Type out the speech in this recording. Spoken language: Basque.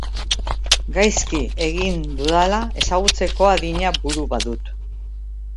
Gaizki egin dudala ezagutzeko adina buru badut.